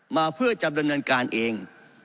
มาเพื่อจะดำเนินการเอง